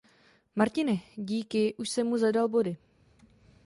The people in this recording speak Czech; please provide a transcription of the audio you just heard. Martine, díky, už jsem mu zadal body.